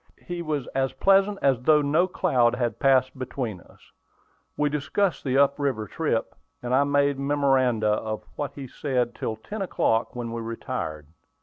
He was as pleasant as though no cloud had passed between us. We discussed the up river trip, and I made memoranda of what he said till ten o'clock, when we retired.